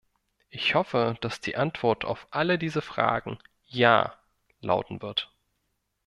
Ich hoffe, dass die Antwort auf alle diese Fragen "Ja" lauten wird.